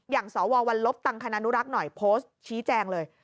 สววัลลบตังคณุรักษ์หน่อยโพสต์ชี้แจงเลย